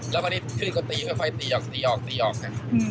แล้วอันนี้ขึ้นก็ตีไปตีออกตีออกตีออกค่ะ